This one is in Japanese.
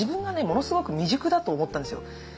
ものすごく未熟だと思ったんですよ。